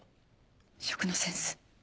食のセンス。